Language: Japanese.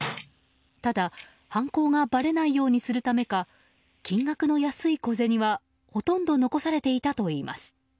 ただ、犯行がばれないようにするためか金額の安い小銭はほとんど残されていたといいます。